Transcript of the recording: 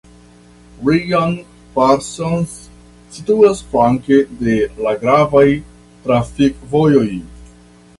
Riom-Parsonz situas flanke de la gravaj trafikvojoj.